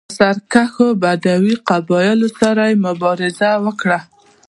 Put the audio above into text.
له سرکښو بدوي قبایلو سره یې مبارزه وکړه